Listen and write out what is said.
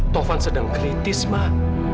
taufan sedang kritis mak